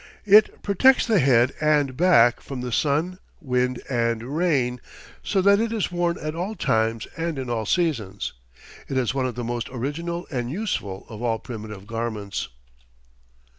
It protects the head and back from the sun, wind and rain, so that it is worn at all times and in all seasons. It is one of the most original and useful of all primitive garments.